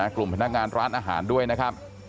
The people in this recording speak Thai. พนักงานร้านอาหารด้วยนะครับ